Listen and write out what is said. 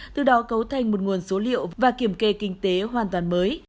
từ đó cấu thành một nguồn số liệu và kiểm kê kinh tế hoàn toàn mới